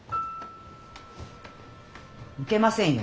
いけませんよ。